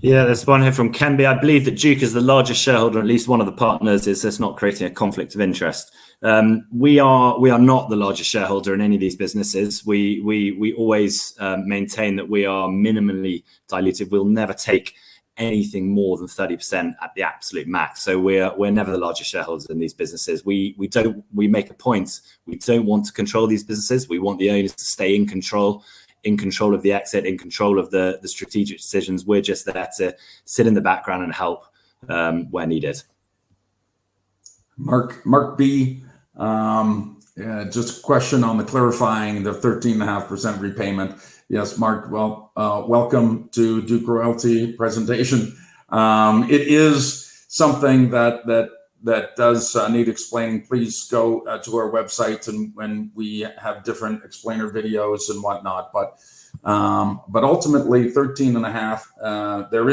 Yeah. There's one here from Ken B., "I believe that Duke is the largest shareholder, at least one of the partners. Is this not creating a conflict of interest?" We are not the largest shareholder in any of these businesses. We always maintain that we are minimally diluted. We'll never take anything more than 30% at the absolute max. We're never the largest shareholder in these businesses. We make a point. We don't want to control these businesses. We want the owners to stay in control, in control of the exit, in control of the strategic decisions. We're just there to sit in the background and help where needed. Mark B., just a question on clarifying the 13.5% repayment. Yes, Mark, well, welcome to Duke Royalty Presentation. It is something that does need explaining. Please go to our website where we have different explainer videos and whatnot. Ultimately 13.5%, there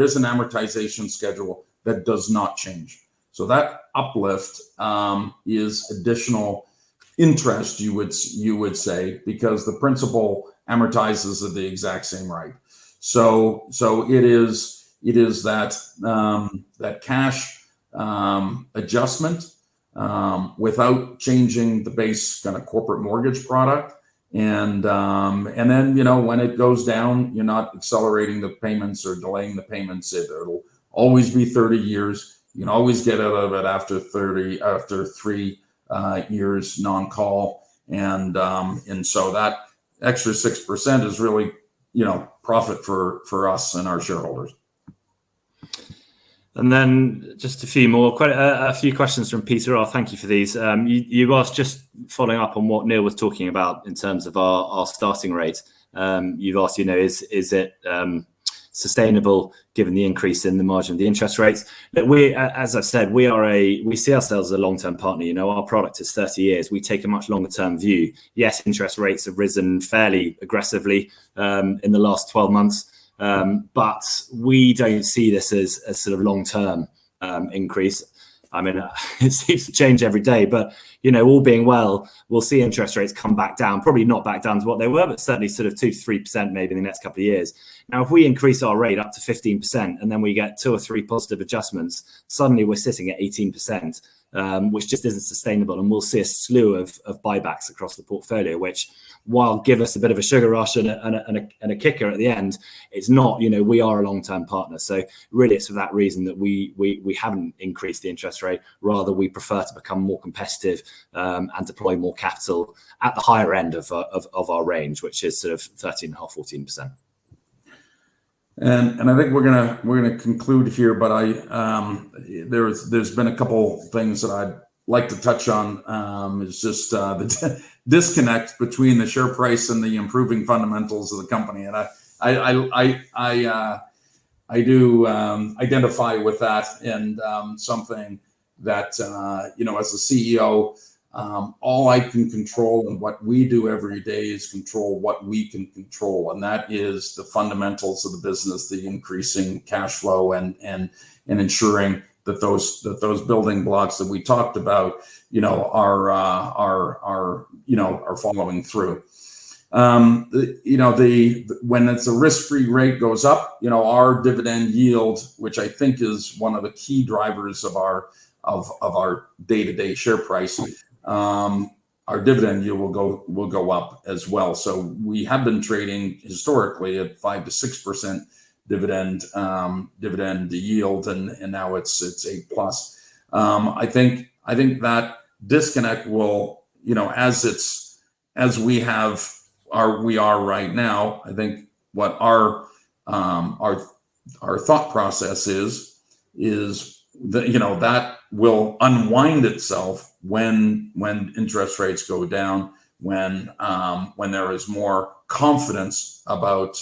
is an amortization schedule that does not change. That uplift is additional interest you would say because the principal amortizes at the exact same rate. It is that cash adjustment without changing the base kind of corporate mortgage product. When it goes down, you're not accelerating the payments or delaying the payments. It'll always be 30 years. You can always get out of it after three years non-call. That extra 6% is really profit for us and our shareholders. Just a few more. Quite a few questions from Peter. Thank you for these. You've asked, just following up on what Neil was talking about in terms of our starting rate. You've asked, is it sustainable given the increase in the margin of the interest rates? As I've said, we see ourselves as a long-term partner. Our product is 30 years. We take a much longer-term view. Yes, interest rates have risen fairly aggressively in the last 12 months. We don't see this as a sort of long-term increase. I mean, it seems to change every day, but all being well, we'll see interest rates come back down, probably not back down to what they were, but certainly sort of 2%-3% maybe in the next couple of years. Now, if we increase our rate up to 15% and then we get two or three positive adjustments, suddenly we're sitting at 18%, which just isn't sustainable, and we'll see a slew of buybacks across the portfolio, which will give us a bit of a sugar rush and a kicker at the end. We are a long-term partner, so really it's for that reason that we haven't increased the interest rate. Rather, we prefer to become more competitive and deploy more capital at the higher end of our range, which is sort of 13.5%-14%. I think we're going to conclude here, but there's been a couple things that I'd like to touch on. It's just the disconnect between the share price and the improving fundamentals of the company. I do identify with that and something that, as a CEO, all I can control and what we do every day is control what we can control. That is the fundamentals of the business, the increasing cash flow and ensuring that those building blocks that we talked about are following through. When the risk-free rate goes up, our dividend yield, which I think is one of the key drivers of our day-to-day share price, our dividend yield will go up as well. We have been trading historically at 5%-6% dividend yield, and now it's 8%+. I think that disconnect will, as we are right now, I think what our thought process is that will unwind itself when interest rates go down, when there is more confidence about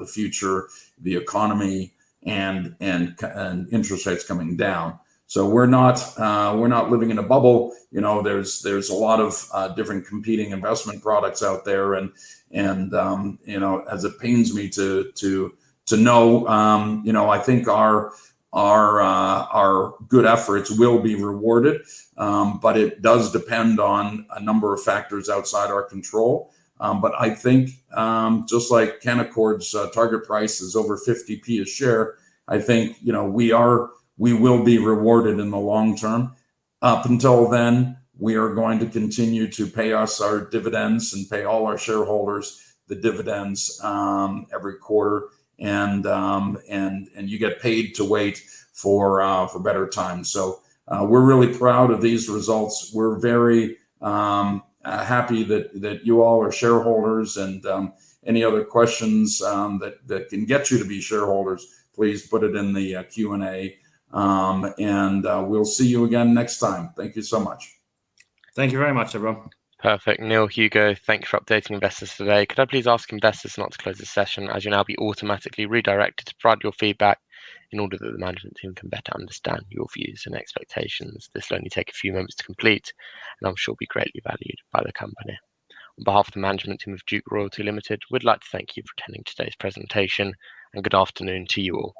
the future, the economy, and interest rates coming down. We're not living in a bubble. There's a lot of different competing investment products out there and as it pains me to know, I think our good efforts will be rewarded. It does depend on a number of factors outside our control. I think, just like Canaccord's target price is over 0.50 a share, I think we will be rewarded in the long term. Up until then, we are going to continue to pay us our dividends and pay all our shareholders the dividends every quarter. You get paid to wait for better times. We're really proud of these results. We're very happy that you all are shareholders, and any other questions that can get you to be shareholders, please put it in the Q&A. We'll see you again next time. Thank you so much. Thank you very much, everyone. Perfect. Neil, Hugo, thank you for updating investors today. Could I please ask investors not to close this session as you'll now be automatically redirected to provide your feedback in order that the Management Team can better understand your views and expectations? This will only take a few moments to complete, and I'm sure will be greatly valued by the company. On behalf of the Management Team of Duke Capital Limited, we'd like to thank you for attending today's presentation, and good afternoon to you all.